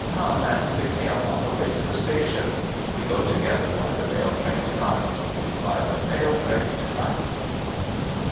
Come, and pick me up on the way to the station. We go together by the mail train to night?' ' By the mail train to night.'